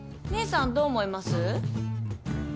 姐さんどう思います？